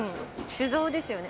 酒造ですよね？